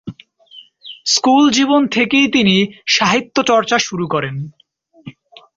School জীবন থেকেই তিনি সাহিত্যচর্চা শুরু করেন।